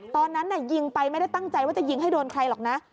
ตอนนั้นยิงไปไม่ได้ตั้งใจว่าจะยิงให้โดนใครหรอกนะ